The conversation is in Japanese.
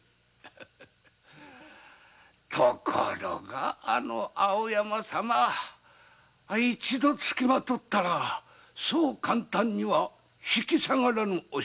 ところがあの青山様は一度つきまとったら簡単には引きさがらぬお人でしてな。